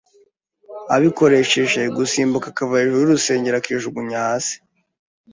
abikoresheje gusimbuka akava hejuru y’urusengero akijugunya hasi.